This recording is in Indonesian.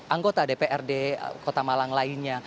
anggota dprd kota malang lainnya